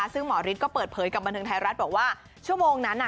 ซึ่งหมอฤทธิ์ก็เปิดเผยกับบันเทิงไทยรัฐบอกว่าชั่วโมงนั้น